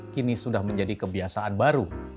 kini sudah menjadi kebiasaan baru